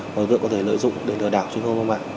mà đối tượng có thể lợi dụng để lừa đảo trên không gian mạng